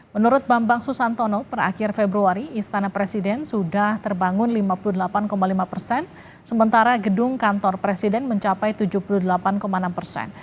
menurut bambang susantono per akhir februari istana presiden sudah terbangun lima puluh delapan lima persen sementara gedung kantor presiden mencapai tujuh puluh delapan enam persen